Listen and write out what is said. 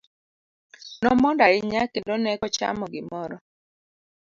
Nomondo ahinya kendo ne ko ochamo gimoro.